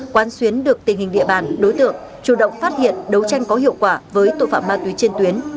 quán xuyến được tình hình địa bàn đối tượng chủ động phát hiện đấu tranh có hiệu quả với tội phạm ma túy trên tuyến